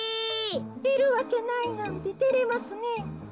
いるわけないなんててれますねえ。